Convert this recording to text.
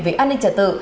về an ninh trả tự